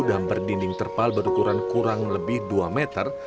dan berdinding terpal berukuran kurang lebih dua meter